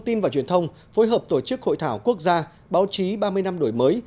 tin và truyền thông phối hợp tổ chức hội thảo quốc gia báo chí ba mươi năm đổi mới